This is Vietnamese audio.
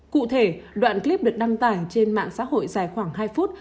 cụ thể đoạn clip được đăng tải trên mạng xã hội dài khoảng hai phút